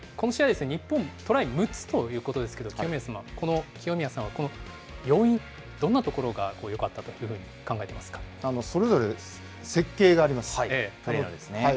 この試合、日本、トライ６つということですけれども、清宮さんは、この要因、どんなところがよかっそれぞれ設計があります。